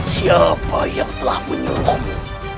siapa yang telah menyuruhmu